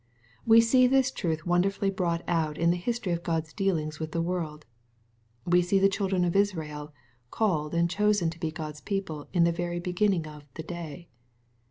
We see this truth wonderfully brought out in the history of God's dealings with the world. We see the children of Israel called and chosen to be God's people in the very beginning of " the day."